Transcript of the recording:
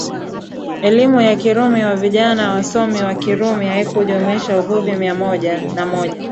Elimu ya Kirumi ya vijana wasomi wa Kirumi haikujumuisha Uvuvi mia moja na moja